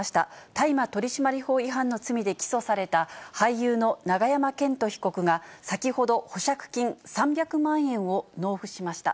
大麻取締法違反の罪で起訴された、俳優の永山絢斗被告が、先ほど、保釈金３００万円を納付しました。